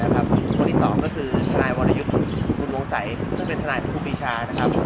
คนอีก๒คือธนายวรยุทธิ์คุณวงสัยซึ่งเป็นธนายภูบิชา